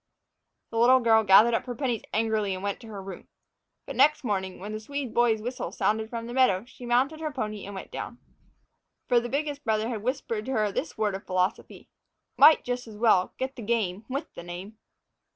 The little girl gathered up her pennies angrily and went to her room. But, next morning, when the Swede boy's whistle sounded from the meadow, she mounted her pony and went down. For the biggest brother had whispered to her this word of philosophy: "Might jus' as well get th' game with th' name."